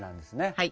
はい。